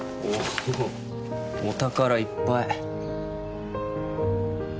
お宝いっぱい。